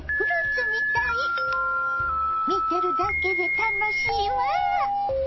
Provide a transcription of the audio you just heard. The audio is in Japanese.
見てるだけで楽しいわ。